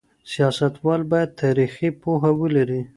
سیاستوال باید تاریخي پوهه ولري.